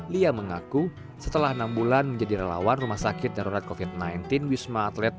lia mengaku setelah enam bulan menjadi relawan rumah sakit darurat covid sembilan belas wisma atlet